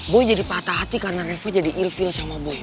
boy jadi patah hati karena reva jadi ilfil sama boy